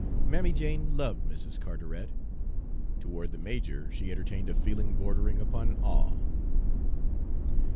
Mammy Jane loved Mrs. Carteret; toward the major she entertained a feeling bordering upon awe.